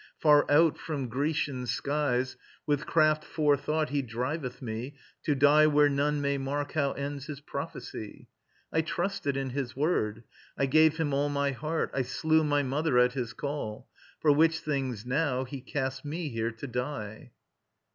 Far out from Grecian skies With craft forethought he driveth me, to die Where none may mark how ends his prophecy! I trusted in his word. I gave him all My heart. I slew my mother at his call; For which things now he casts me here to die.